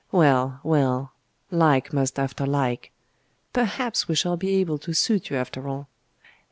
Well, well like must after like. Perhaps we shall be able to suit you after all.